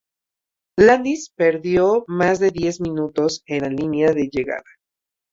Landis perdió más de diez minutos en la línea de llegada.